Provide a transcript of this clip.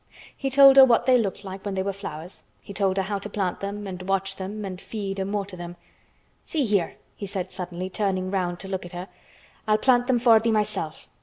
He told her what they looked like when they were flowers; he told her how to plant them, and watch them, and feed and water them. "See here," he said suddenly, turning round to look at her. "I'll plant them for thee myself.